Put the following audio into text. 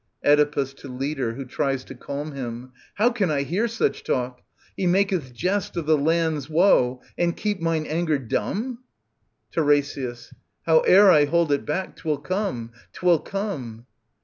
Oedipus {to Leader, who tries to cairn htm). How can I hear such talk ?— he maketh jest ' Of the land's woe — and keep mine anger dumb ? TiRESIAS. Howe'er I hold it back, 'twill come, 'twill come.